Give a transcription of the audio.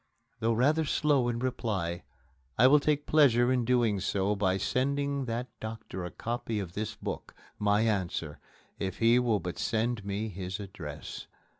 Though rather slow in replying, I will take pleasure in doing so by sending that doctor a copy of this book my answer if he will but send me his address.